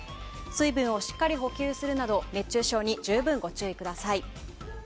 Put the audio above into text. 水分をしっかり補給するなど熱中症に十分、ご注意ください。